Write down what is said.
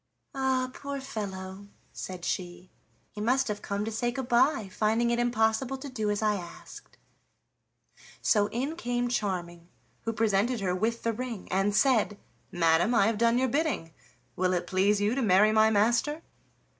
"Ah! poor fellow," said she, "he must have come to say good by, finding it impossible to do as I asked." So in came Charming, who presented her with the ring and said: "Madam, I have done your bidding. Will it please you to marry my master?"